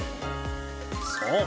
そう。